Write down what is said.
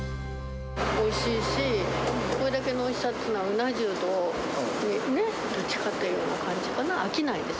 おいしいし、これだけのおいしさっていうのは、うな重とどっちかというような感じかな。